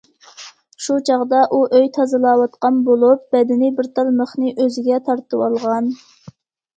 شۇ چاغدا ئۇ ئۆي تازىلاۋاتقان بولۇپ، بەدىنى بىر تال مىخنى ئۆزىگە تارتىۋالغان.